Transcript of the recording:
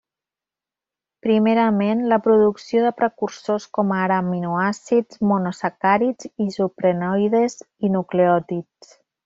Primerament, la producció de precursors com ara aminoàcids, monosacàrids, isoprenoides i nucleòtids.